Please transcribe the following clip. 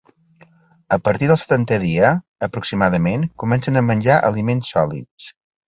A partir del setantè dia, aproximadament, comencen a menjar aliments sòlids.